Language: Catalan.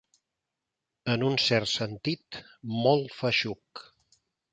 En un cert sentit, molt feixuc.